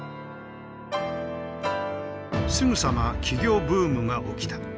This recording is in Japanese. すぐさま起業ブームが起きた。